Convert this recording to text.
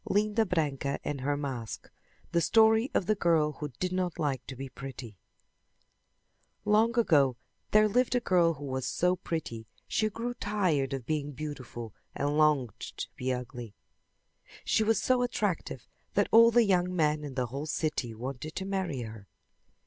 LINDA BRANCA AND HER MASK The Story of the Girl Who Did Not Like To Be Pretty Long ago there lived a girl who was so pretty she grew tired of being beautiful and longed to be ugly. She was so attractive that all the young men in the whole city wanted to marry her.